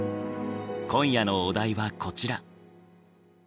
今夜のお題はこちら。